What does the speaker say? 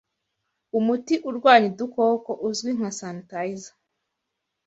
Umuti urwanya udukoko uzwi nka sanitizer